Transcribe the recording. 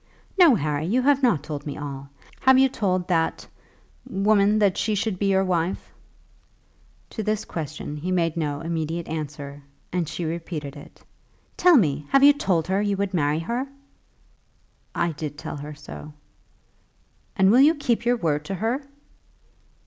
"No, Harry; you have not told me all. Have you told that woman that she should be your wife?" To this question he made no immediate answer, and she repeated it. "Tell me; have you told her you would marry her?" "I did tell her so." "And you will keep your word to her?"